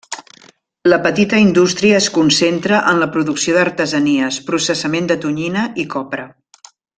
La petita indústria es concentra en la producció d'artesanies, processament de tonyina i copra.